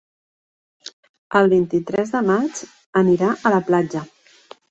El vint-i-tres de maig anirà a la platja.